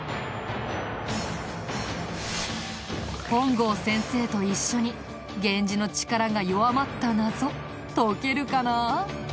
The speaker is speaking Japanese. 本郷先生と一緒に源氏の力が弱まった謎解けるかな？